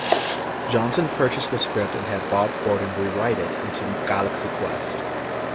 Johnson purchased the script and had Bob Gordon rewrite it into "Galaxy Quest".